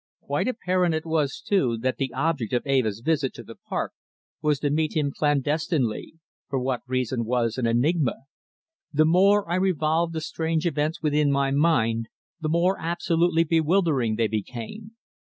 Quite apparent it was, too, that the object of Eva's visit to the park was to meet him clandestinely, for what reason was a profound enigma. The more I revolved the strange events within my mind, the more absolutely bewildering they become.